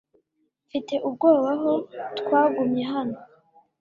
Mfite ubwoba ko twagumye hano .